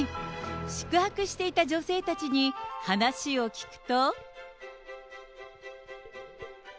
宿泊していた女性たちに話を聞くと。